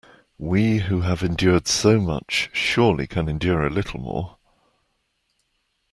We who have endured so much surely can endure a little more.